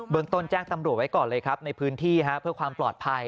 ต้นแจ้งตำรวจไว้ก่อนเลยครับในพื้นที่เพื่อความปลอดภัย